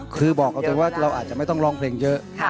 ก็บอกเขาตังค์ว่าเราอาจไม่ต้องร้องเพลงเยอะ